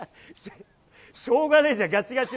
しょうがねえじゃん、がちがち。